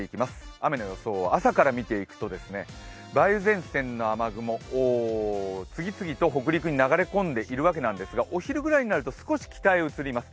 雨の予想を朝から見ていくと、梅雨前線の雨雲、次々と北陸に流れ込んでいるわけですが、お昼ぐらいになると少し北へ移ります。